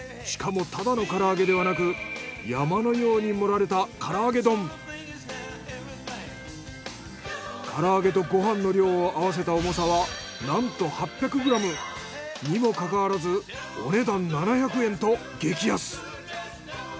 しかもただの唐揚げではなく山のように盛られた唐揚げとご飯の量を合わせた重さはなんと８００ｇ。にもかかわらずお値段７００円と激安。